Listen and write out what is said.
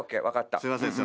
分かった。